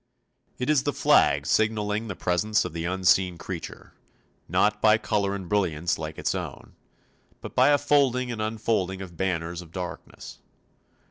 It is the flag signalling the presence of the unseen creature; not by colour and brilliance like its own, but by a folding and unfolding of banners of darkness.